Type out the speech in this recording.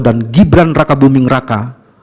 dan gibran raka buming raka